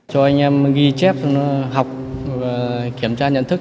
cho anh em ghi chép học kiểm tra nhận thức